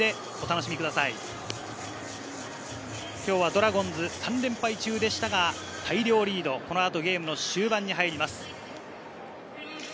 ドラゴンズ３連敗中でしたが、大量リード、このあとゲームの終盤に入ります。